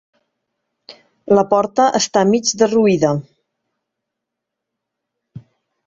La porta està mig derruïda.